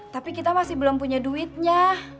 tapi kita masih belum punya duitnya